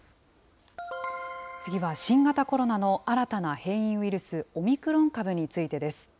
次は新型コロナの新たな変異ウイルス、オミクロン株についてです。